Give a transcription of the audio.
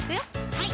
はい